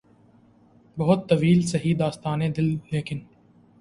بہت طویل سہی داستانِ دل ، لیکن